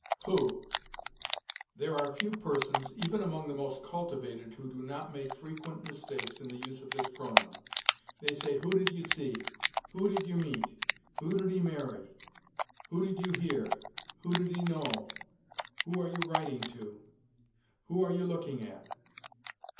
WHO. There are few persons, even among the most cultivated, who do not make frequent mistakes in the use of this pronoun. They say, "Who did you see?" "Who did you meet?" "Who did he marry?" "Who did you hear?" "Who did he know?" "Who are you writing to?" "Who are you looking at?"